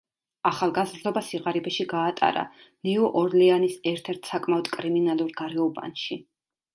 ახალგაზრდობა სიღარიბეში გაატარა ნიუ-ორლეანის ერთ-ერთ საკმაოდ კრიმინალურ გარეუბანში.